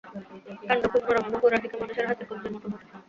কাণ্ড খুব নরম এবং গোড়ার দিকে মানুষের হাতের কবজির মতো মোটা।